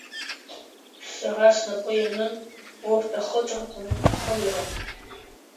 Сара снапы ианын урҭ ахыҵырҭа рхыгара.